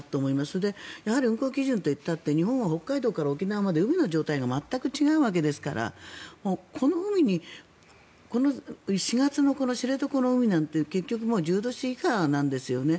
それで、運航基準といったって日本は北海道から沖縄まで海の状態が全く違うわけですからこの４月の知床の海なんて結局、１０度以下なんですよね。